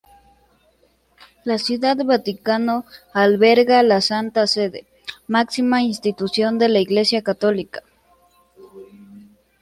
La Ciudad del Vaticano alberga la Santa Sede, máxima institución de la Iglesia católica.